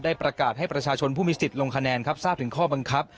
ประกาศให้ประชาชนผู้มีสิทธิ์ลงคะแนนครับทราบถึงข้อบังคับ